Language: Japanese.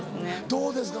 どうですか？